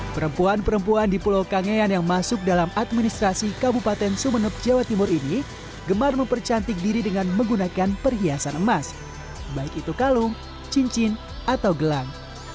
perempuan perempuan di pulau kangean yang masuk dalam administrasi kabupaten sumeneb jawa timur ini gemar mempercantik diri dengan menggunakan perhiasan emas baik itu kalung cincin atau gelang